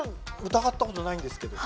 疑ったことないんですけど。